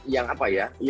yang apa ya